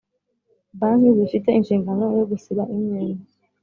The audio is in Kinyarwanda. Banki zifite inshingano yo gusiba imyenda